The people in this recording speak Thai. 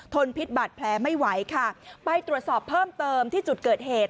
พิษบาดแผลไม่ไหวค่ะไปตรวจสอบเพิ่มเติมที่จุดเกิดเหตุ